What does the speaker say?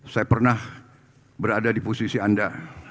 saya pernah berada di posisi anda